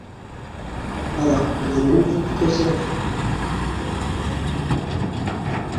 Аҙаҡ үҙенән-үҙе китәсәк